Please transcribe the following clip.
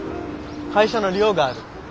会社の寮がある。